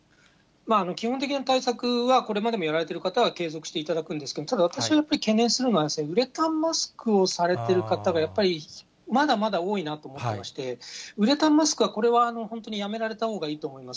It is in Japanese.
基本的な対策は、これまでもやられている方は継続していただくんですけれども、ただ、私はやっぱり懸念するのは、ウレタンマスクをされている方が、やっぱり、まだまだ多いなと思いまして、ウレタンマスクは、これは本当にやめられた方がいいと思います。